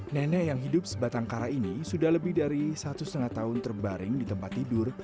nenek yang hidup sebatang kara ini sudah lebih dari satu setengah tahun terbaring di tempat tidur